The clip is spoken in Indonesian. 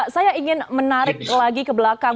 saya ingin menarik lagi ke belakang